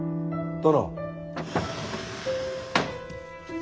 殿。